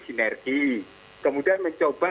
sinergi kemudian mencoba